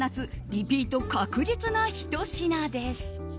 リピート確実なひと品です。